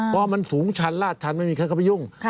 พอมันสูงชันลาดชันไม่มีใครเข้าไปยุ่ง